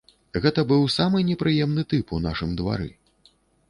Гэта быў самы непрыемны тып у нашым двары.